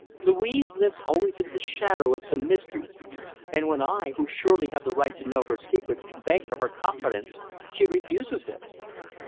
Louise lives always in the shadow of some mystery, and when I, who surely have the right to know her secrets, beg for her confidence, she refuses it."